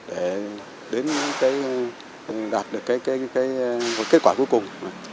để đạt được kết quả cuối cùng